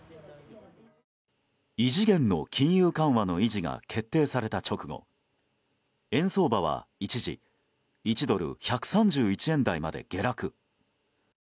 異次元の金融緩和の維持が決定された直後円相場は一時１ドル＝１３１円台まで下落。